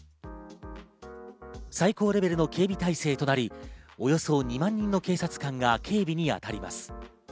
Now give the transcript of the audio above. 最高レベルの警備態勢となり、およそ２万人の警察官が警備に当たります。